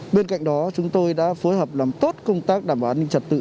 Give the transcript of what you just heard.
bên cạnh đó chúng tôi đã phối hợp làm tốt công tác đảm bảo an ninh trật tự